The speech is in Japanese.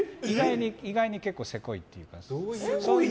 意外に結構せこいっていう。